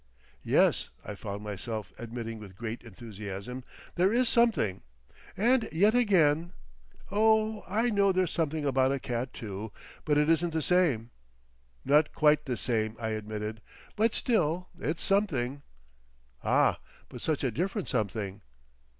"Yes," I found myself admitting with great enthusiasm, "there is something. And yet again—" "Oh! I know there's something about a cat, too. But it isn't the same." "Not quite the same," I admitted; "but still it's something." "Ah! But such a different something!"